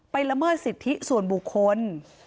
ละเมิดสิทธิส่วนบุคคล